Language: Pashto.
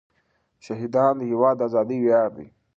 شهیدان د هېواد د ازادۍ ویاړ دی.